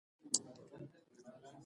آیا د سویابین کښت نتیجه ورکړې؟